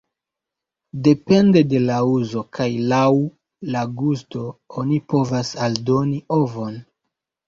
Depende de la uzo kaj laŭ la gusto oni povas aldoni ovon.